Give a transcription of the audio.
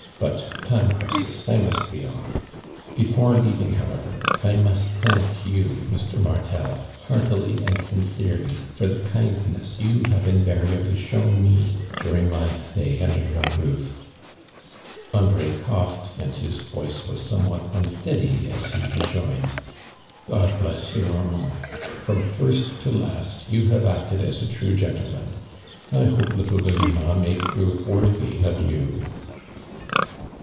But time presses — I must be off. Before leav ing, however, I must thank you, ^Mr. Mar tel, lieartily and sincoroly lor the kindness you liavo invariably shown me during my stJiy under your roof."' Andri' coughed, and his voice was snniowhat unsteady as lie rejoined :" Ood l)less you, Arman<l ! From first to last you liave acted as a true gentleman. I hope little Dolima may prove wortliy of you!"